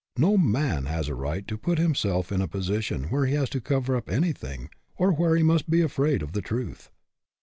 No man has a right to put himself in a position where he has to cover up anything or where he must be afraid of the truth.